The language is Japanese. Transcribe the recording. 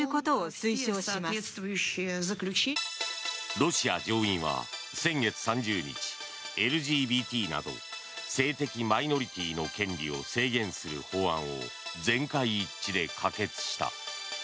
ロシア上院は先月３０日ＬＧＢＴなど性的マイノリティーの権利を制限する法案を全会一致で可決した。